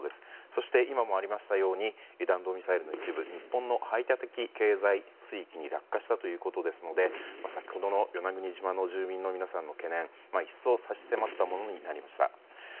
そして今もありましたように弾道ミサイルの一部日本の排他的経済水域に落下したということですので先ほどの与那国島の住民の皆さんの懸念一層差し迫ったものになりました。